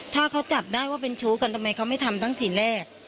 ถ้าเขาจับได้ว่าเป็นชู้กันทำไมเขาไม่ทำทั้งทีแรก